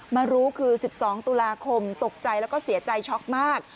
มารู้คือ๑๒ตุลาคมตกใจแล้วก็เสียใจช็อกมาก